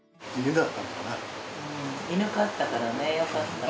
犬飼ったからねよかった。